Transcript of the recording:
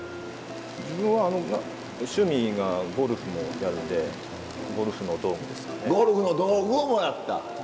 自分は趣味がゴルフもやるんでゴルフの道具をもらった。